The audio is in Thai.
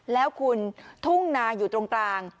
แล้วคุณทุ่งนาอยู่ตรงกลาง